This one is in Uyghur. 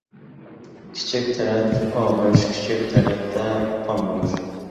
كىچىك تەرەت ئاغرىش كىچىك تەرەتتە قان بولۇش.